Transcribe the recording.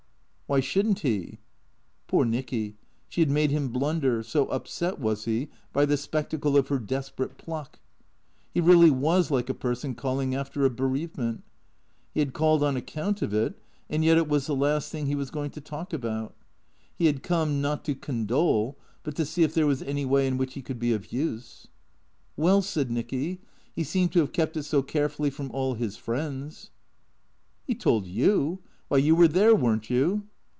"Why shouldn't he?" Poor Nicky, she had made him blunder, so upset was he by the spectacle of her desperate pluck. He really was like a person calling after a bereavement. He had called on account of it, and yet it was the last thing he was going to talk about. THECEEATOES 93 He had come, not to condole, but to see if there was any way in which he could be of use. " Well," said Nicky, " he seemed to have kept it so carefully from all his friends "" He told you Why, you were there, were n't you